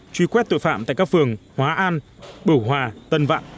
truy quét tội phạm tại các phường hóa an bửu hòa tân vạn